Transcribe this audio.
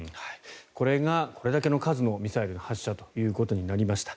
これがこれだけのミサイルの数の発射ということになりました。